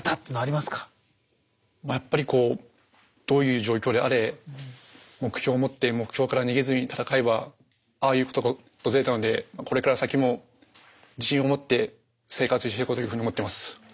まあやっぱりこうどういう状況であれ目標を持って目標から逃げずに戦えばああいうことが訪れたのでこれから先も自信を持って生活していこうというふうに思ってます。